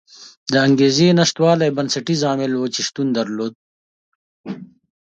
د انګېزې نشتوالی بنسټیز عامل و چې شتون درلود.